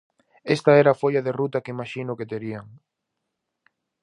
Esta era a folla de ruta que imaxino que terían.